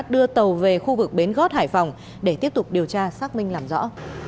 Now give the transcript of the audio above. đưa tàu về khu vực bến gót hải phòng để tiếp tục điều tra xác minh làm rõ